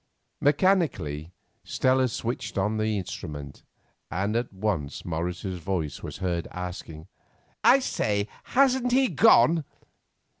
Mechanically Stella switched on the instrument, and at once Morris's voice was heard asking: "I say, hasn't he gone?"